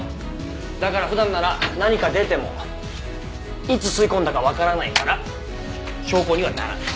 だから普段なら何か出てもいつ吸い込んだかわからないから証拠にはならない。